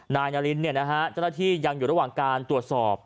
นายนารินเจ้าหน้าที่ยังอยู่ระหว่างการตรวจสอบ